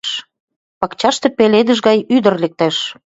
Пакчашке пеледыш гай ӱдыр лектеш.